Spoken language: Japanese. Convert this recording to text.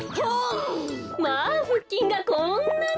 まあふっきんがこんなに！